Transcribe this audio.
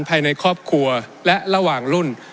ภายในครอบครัวและระหว่างรุ่น